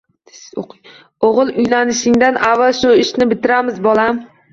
O‘g‘il uylashingdan avval shu ishni bitiramiz, bolam”